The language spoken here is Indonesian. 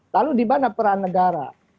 lalu di mana peran negara